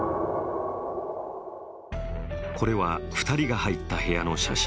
これは２人が入った部屋の写真。